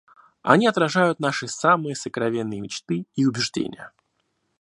Они отражают наши самые сокровенные мечты и убеждения.